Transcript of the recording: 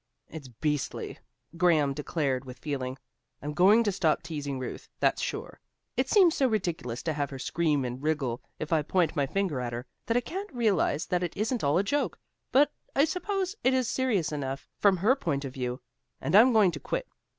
"It's beastly," Graham declared with feeling. "I'm going to stop teasing Ruth, that's sure. It seems so ridiculous to have her scream and wriggle if I point my finger at her, that I can't realize that it isn't all a joke. But, I suppose, it is serious enough from her point of view, and I'm going to quit."